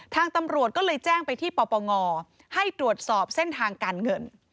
ทางตำรวจก็เลยแจ้งไปที่ปปงให้ตรวจสอบเส้นทางการเงิน